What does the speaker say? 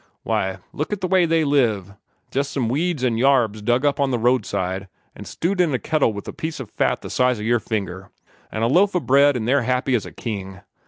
Why, look at the way they live jest some weeds an' yarbs dug up on the roadside, an' stewed in a kettle with a piece o' fat the size o' your finger, an' a loaf o' bread, an' they're happy as a king.